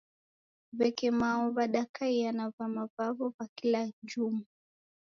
Weke mao wadakaia na vama vawo va kila jumwa.